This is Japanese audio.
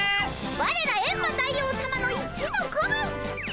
ワレらエンマ大王さまの一の子分！